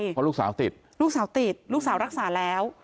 เพราะลูกสาวติดลูกสาวติดลูกสาวรักษาแล้ว